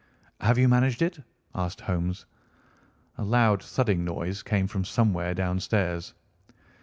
"Have you managed it?" asked Holmes. A loud thudding noise came from somewhere downstairs.